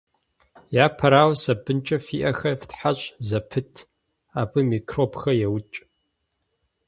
Япэрауэ, сабынкӀэ фи Ӏэхэр фтхьэщӀ зэпыт, абы микробхэр еукӀ.